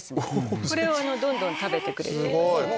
これをどんどん食べてくれる。